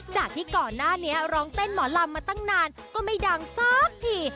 จากที่ก่อนหน้านี้ร้องเต้นหมอลำมาตั้งนานก็ไม่ดังสักที